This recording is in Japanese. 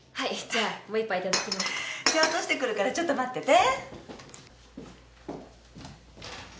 じゃあ落としてくるからちょっと待ってて。